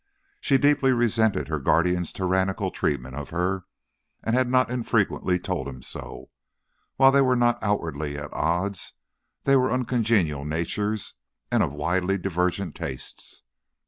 She deeply resented her guardian's tyrannical treatment of her and had not infrequently told him so. While they were not outwardly at odds, they were uncongenial natures, and of widely divergent tastes.